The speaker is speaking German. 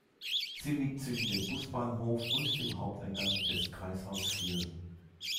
Sie liegt zwischen dem Busbahnhof und dem Haupteingang des 'Kreishaus Viersen'.